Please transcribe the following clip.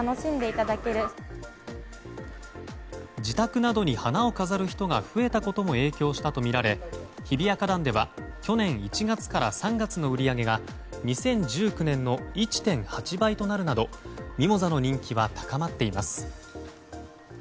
自宅などに花を飾る人が増えたことも影響したとみられ日比谷花壇では去年１月から３月の売り上げが２０１９年の１．８倍となるなどミモザの人気は高まっています。